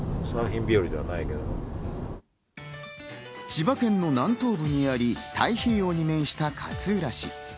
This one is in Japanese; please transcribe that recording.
千葉県の南東部にあり、太平洋に面した勝浦市。